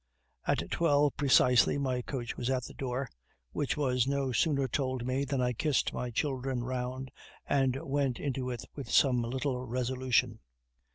At twelve precisely my coach was at the door, which was no sooner told me than I kissed my children round, and went into it with some little resolution.